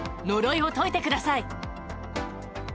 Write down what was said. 呪いを解いてください！